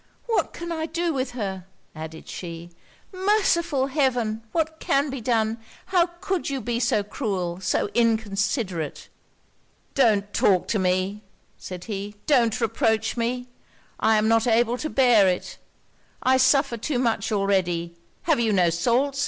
'What can I do with her?' added she. 'Merciful Heaven, what can be done? How could you be so cruel, so inconsiderate?' 'Don't talk to me,' said he 'don't reproach me! I am not able to bear it! I suffer too much already! Have you no salts?